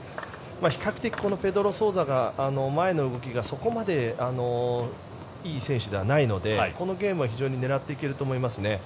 比較的、ペドロ・ソウザが前の動きがそこまでいい選手ではないのでこのゲームは狙っていけると思いますね。